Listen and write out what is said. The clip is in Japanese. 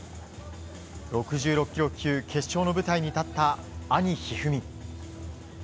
６６ｋｇ級、決勝の舞台に立った兄・一二三。